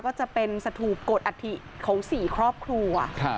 ก็จะเป็นสถูปกฎอัฐิของ๔ครอบครัว